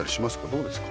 どうですか？